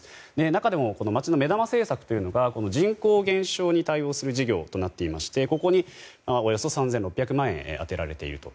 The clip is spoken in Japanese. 中でも町の目玉政策が人口減少に対応する事業となっていましてここに、およそ３６００万円充てられていると。